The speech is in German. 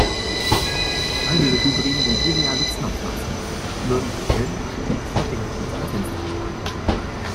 Alle diese Hybriden sind ideale Zimmerpflanzen und mögen einen hellen, halbschattigen Platz am Fensterbrett.